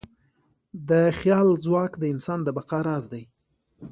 د خیال ځواک د انسان د بقا راز دی.